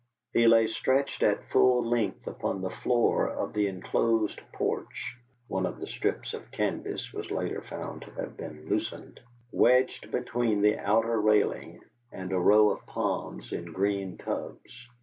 He lay stretched at full length upon the floor of the enclosed porch (one of the strips of canvas was later found to have been loosened), wedged between the outer railing and a row of palms in green tubs.